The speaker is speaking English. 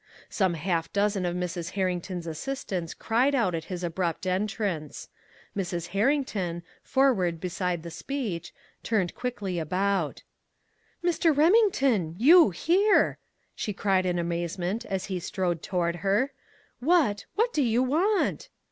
Some half dozen of Mrs. Herrington's assistants cried out at his abrupt entrance. Mrs. Herrington, forward beside the speech, turned quickly about. "Mr. Remington, you here!" she cried in amazement as he strode toward her. "What what do you want?"